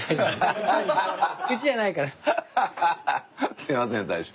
すいません大将。